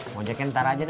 mau ojeknya ntar aja dah